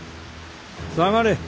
下がれ。